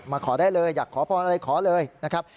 ขอได้เลยอยากขอพรอะไรขอเลยนะครับ